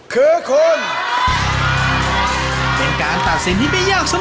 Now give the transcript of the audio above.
คุณยังเป็นคนที่ด้วยค่ะ